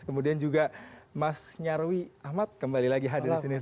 kemudian juga mas nyarwi ahmad kembali lagi hadir di sini